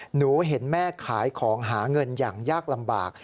หนูเห็นแม่ขายของหาเงินอย่างยากลำบาก